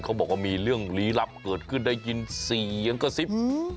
เขาบอกว่ามีเรื่องลี้ลับเกิดขึ้นได้ยินเสียงกระซิบ